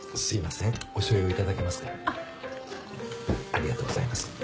ありがとうございます。